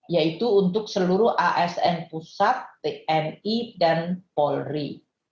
yaitu untuk seluruh asn pusat tni dan polri